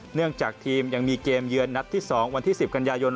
เนื่องจากทีมยังมีเกมเยือนนัดที่๒วันที่๑๐กันยายน